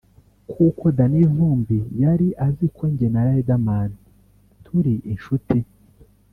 kuko Danny Vumbi yari azi ko njye na Riderman turi inshuti